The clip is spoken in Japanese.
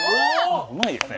うまいですね。